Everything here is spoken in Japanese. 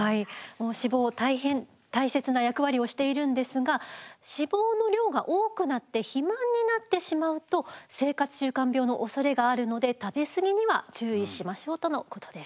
もう脂肪大変大切な役割をしているんですが脂肪の量が多くなって肥満になってしまうと生活習慣病のおそれがあるので食べ過ぎには注意しましょうとのことです。